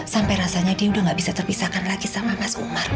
sampai rasanya dia udah gak bisa terpisahkan lagi sama mas umar